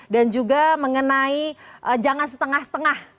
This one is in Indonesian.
dan juga mengenai jangan setengah setengah